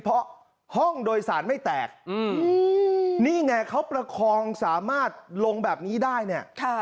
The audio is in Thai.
เพราะห้องโดยสารไม่แตกนี่ไงเขาประคองสามารถลงแบบนี้ได้เนี่ย